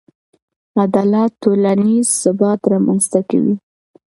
عدالت ټولنیز ثبات رامنځته کوي.